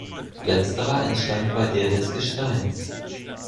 Letzterer entstand bei der des Gesteins.